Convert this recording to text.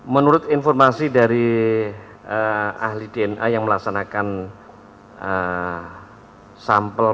menurut informasi dari ahli dna yang melaksanakan sampel